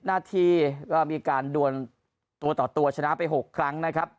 นาทีก็มีการดวนตัวต่อตัวชนะไป๖ครั้งนะครับ